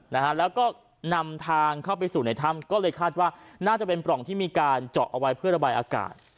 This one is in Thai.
นะฮะแล้วก็นำทางเข้าไปสู่ในถ้ำก็เลยคาดว่าน่าจะเป็นปล่องที่มีการเจาะเอาไว้เพื่อระบายอากาศ